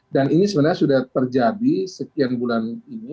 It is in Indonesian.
dan ini sebenarnya sudah terjadi sekian bulan ini